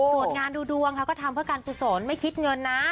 ส่วนงานดูดวงค่ะก็ทำเพื่อการกุศลไม่คิดเงินนะ